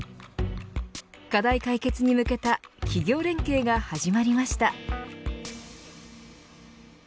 課題解決に向けた企業連携が始まりました。